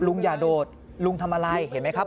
อย่าโดดลุงทำอะไรเห็นไหมครับ